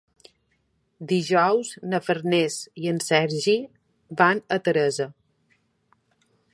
Dijous na Farners i en Sergi van a Teresa.